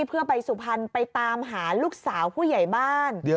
เพื่อไปสุพรรณไปตามหาลูกสาวผู้ใหญ่บ้าน